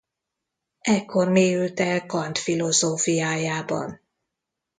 Ekkor mélyült el Kant filozófiájában.